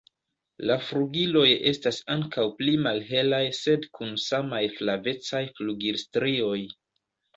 La flugiloj estas ankaŭ pli malhelaj sed kun samaj flavecaj flugilstrioj.